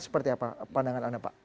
seperti apa pandangan anda pak